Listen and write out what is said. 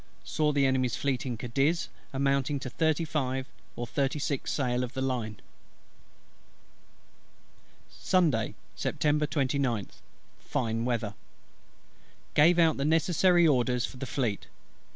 Saw the Enemy's Fleet in Cadiz, amounting to thirty five or thirty six sail of the line. Sunday, Sept. 29th. Fine weather. Gave out the necessary orders for the Fleet.